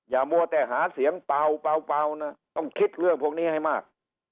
มัวแต่หาเสียงเปล่านะต้องคิดเรื่องพวกนี้ให้มาก